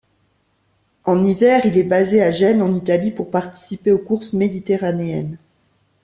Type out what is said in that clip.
En hiver, il est basé à Gênes en Italie pour participer aux courses méditerranéennes.